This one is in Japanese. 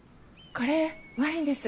これワインです。